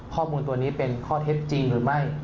ข้อมูลตัวนี้เป็นข้อเท็จจริงหรือไม่